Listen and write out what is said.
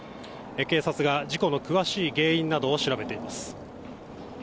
警察が事故の詳しい原因などを調べています。